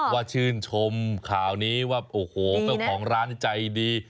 ว่าชื่นชมข่าวนี้ว่าแฟนของร้านใจดี